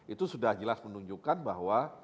itu sudah jelas menunjukkan bahwa